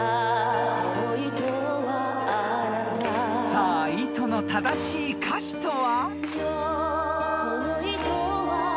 ［さあ『糸』の正しい歌詞とは？］